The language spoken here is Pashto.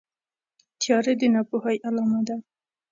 تیاره د ناپوهۍ علامه ده.